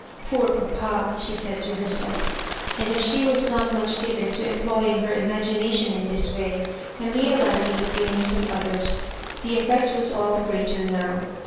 " Poor papa 1 " she said to herself ; and as she was not much given to employing her imagination in this way, and real ising the feelhog of others, the effect was all the greater now.